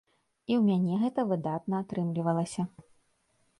І ў мяне гэта выдатна атрымлівалася.